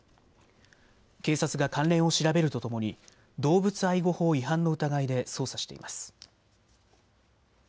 警察が関連を調べるとともに動物愛護法違反の疑いで捜査しています。